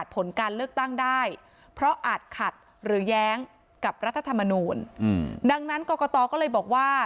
เพราะอาจขัดหรือย้างกับรัฐธรรมนูญอืมดังนั้นกอกกาตอบ์ก็เลยบอกว่า